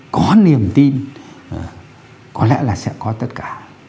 có niềm tin có lẽ là sẽ có tất cả